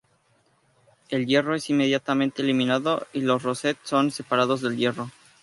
El hierro es inmediatamente eliminado y los rosette son separados del hierro.